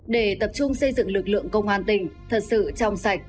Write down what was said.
để tập trung xây dựng lực lượng công an tỉnh thật sự trong sạch